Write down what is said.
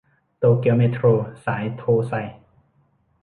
โตเกียวเมโทรสายโทไซ